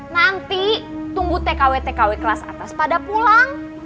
nanti tunggu tkw tkw kelas atas pada pulang